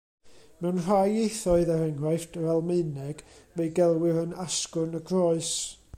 Mewn rhai ieithoedd, er enghraifft yr Almaeneg, fe'i gelwir yn asgwrn y groes.